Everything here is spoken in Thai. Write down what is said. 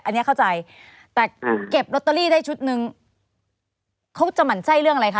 อันนี้เข้าใจแต่เก็บลอตเตอรี่ได้ชุดนึงเขาจะหมั่นไส้เรื่องอะไรคะ